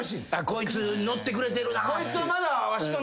こいつ乗ってくれてるなって。